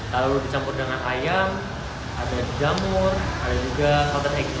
lalu dicampur dengan ayam ada jamur ada juga soto egy